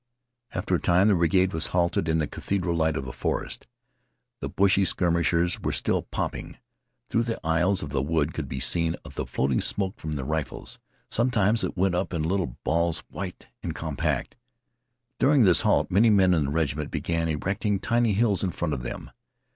After a time the brigade was halted in the cathedral light of a forest. The busy skirmishers were still popping. Through the aisles of the wood could be seen the floating smoke from their rifles. Sometimes it went up in little balls, white and compact. During this halt many men in the regiment began erecting tiny hills in front of them.